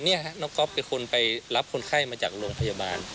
นี่ครับน้องก๊อฟเป็นคนไปรับคนไข้มาจากโรงพยาบาล